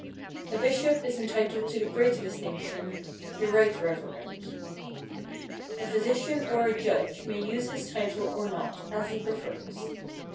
A bishop is entitled to the greater distinction, "The Right Reverend." A physician or a judge may use his title or not as he prefers.